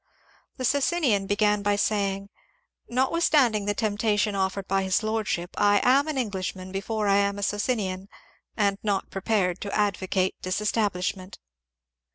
The Socinian began by saying: ^*' Notwithstanding the temptation offered by his lordship, I am an Englishman before I am a Socinian, and not prepared to advocate disestablishment."